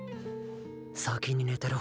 先に寝てろ。